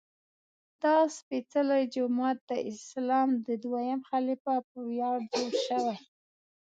دا سپېڅلی جومات د اسلام د دویم خلیفه په ویاړ جوړ شوی.